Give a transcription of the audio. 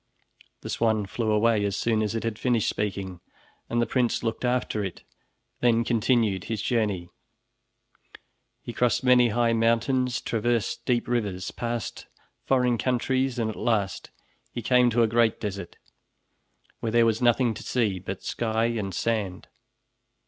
'" The swan flew away as soon as it had finished speaking, and the prince looked after it, then continued his journey. He crossed many high mountains, traversed deep rivers, passed foreign countries, and at last he came to a great desert, where there was nothing to see but sky and sand.